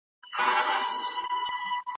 دواړه بايد يو د بل ښه عادتونه وپيژني.